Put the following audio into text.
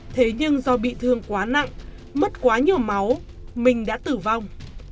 thế nhưng do bị thương quá nặng mất quá nhiều máu mình đã tử vong